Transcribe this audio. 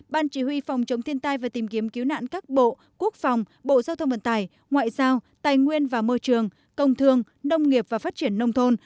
ban chỉ huy phòng chống thiên tai và tìm kiếm cứu nạn các bộ quốc phòng bộ giao thông vận tải ngoại giao tài nguyên và môi trường công thương nông nghiệp và phát triển nông thôn